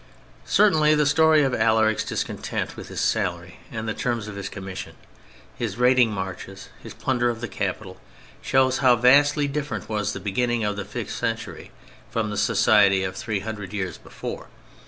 Certainly the story of Alaric's discontent with his salary and the terms of his commission, his raiding marches, his plunder of the capital, shows how vastly different was the beginning of the fifth century from the society of three hundred years before.